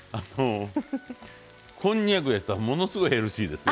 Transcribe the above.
こんにゃくやったらものすごいヘルシーですよ。